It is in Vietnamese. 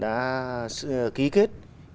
đã ký kết